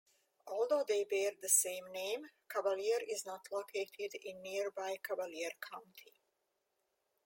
Although they bear the same name, Cavalier is not located in nearby Cavalier County.